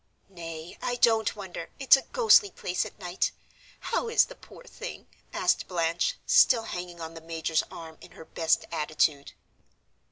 "Nay, I don't wonder, it's a ghostly place at night. How is the poor thing?" asked Blanche, still hanging on the major's arm in her best attitude.